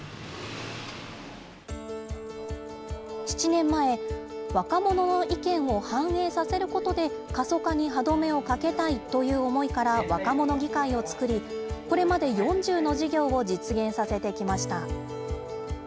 ７年前、若者の意見を反映させることで、過疎化に歯止めをかけたいという思いから、若者議会を作り、これまで４０の事業を実現させてきました。